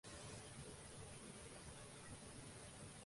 Llavors va fer tasques pastorals i d'apostolat per Catalunya i Aragó.